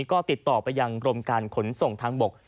ก็ติดต่อไปยังกรมการขนส่งทางบก